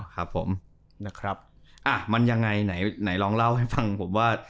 ครับผมนะครับอ่ะมันยังไงไหนลองเล่าให้ฟังผมว่า